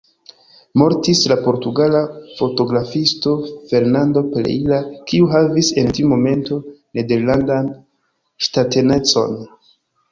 Mortis la portugala fotografisto Fernando Pereira, kiu havis en tiu momento nederlandan ŝtatanecon.